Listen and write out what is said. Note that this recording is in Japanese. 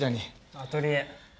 アトリエ。